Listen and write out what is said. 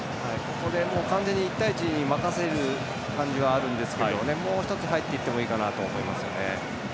ここで完全に１対１に任せる感じがあるんですけどもう１つ入っていってもいいかなと思いますよね。